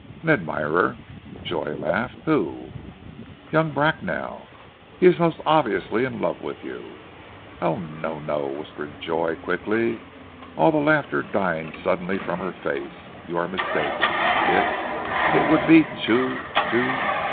"An admirer!" Joy laughed. "Who " "Young Bracknell! He is most obviously in love with you." "Oh no! no!" whispered Joy quickly, all the laughter dying suddenly from her face. "You are mistaken. It ... it would be too ... too...."